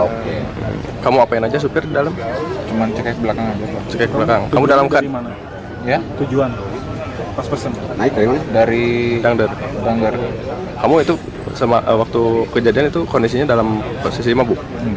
vk men acercak perkembangan their trip